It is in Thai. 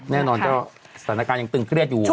แน่นอนก็สถานการณ์ยังตึงเครียดอยู่